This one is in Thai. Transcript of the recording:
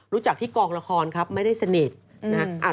รู้จักที่กองละครครับไม่ได้สนิทนะฮะ